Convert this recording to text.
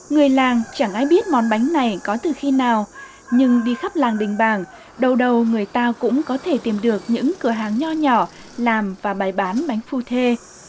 người làng chẳng ai biết món bánh này có từ khi nào nhưng đi khắp làng đình bảng đầu người ta cũng có thể tìm được những cửa hàng nhỏ nhỏ làm và bày bán bánh phu thê